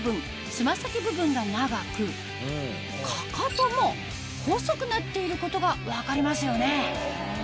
つま先部分が長くかかとも細くなっていることが分かりますよね